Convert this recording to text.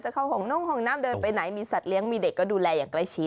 เข้าห้องห้องน้ำเดินไปไหนมีสัตว์เลี้ยงมีเด็กก็ดูแลอย่างใกล้ชิด